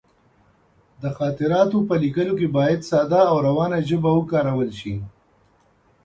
د خاطراتو په لیکلو کې باید ساده او روانه ژبه وکارول شي.